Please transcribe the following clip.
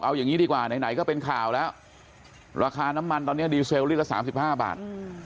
เอาอย่างนี้ดีกว่าไหนก็เป็นข่าวแล้วราคาน้ำมันตอนนี้ดีเซลลิตรละ๓๕บาท